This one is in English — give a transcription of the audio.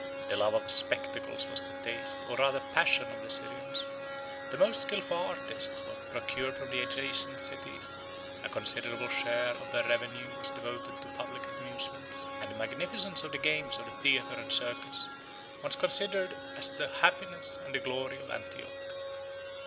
The love of spectacles was the taste, or rather passion, of the Syrians; the most skilful artists were procured from the adjacent cities; 12 a considerable share of the revenue was devoted to the public amusements; and the magnificence of the games of the theatre and circus was considered as the happiness and as the glory of Antioch.